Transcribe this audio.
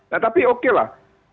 nah tapi oke lah